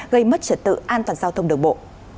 gây mất trật tự an toàn giao thông đường bộ